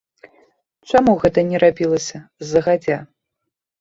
Чаму гэта не рабілася загадзя?